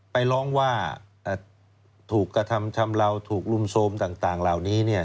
ไปร้องว่าถูกกระทำชำเลาถูกลุมโทรมต่างเหล่านี้